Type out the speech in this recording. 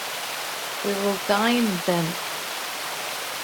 We will dine, then.